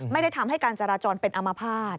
ไม่ได้ทำให้การจราจรเป็นอมภาษณ์